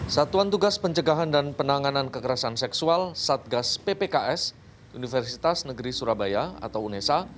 satuan tugas pencegahan dan penanganan kekerasan seksual satgas ppks universitas negeri surabaya atau unesa